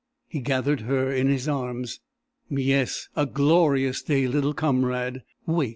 He gathered her in his arms. "Yes, a glorious day, little comrade. Wake!"